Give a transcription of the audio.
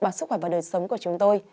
và sức khỏe và đời sống của chúng tôi